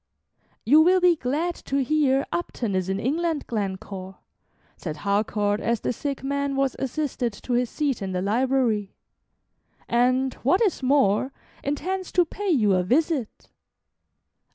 "You will be glad to hear Upton is in England, Glen core," said Harcourt, as the sick man was assisted to his seat in the library, "and, what is more, intends to pay you a visit."